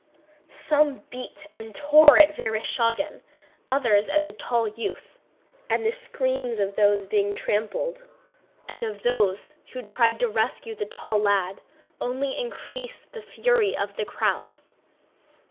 Some beat and tore at Vereshchágin, others at the tall youth. And the screams of those that were being trampled on and of those who tried to rescue the tall lad only increased the fury of the crowd.